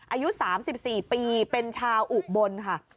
อายุ๓๔ปีเป็นชาวอุบลค่ะ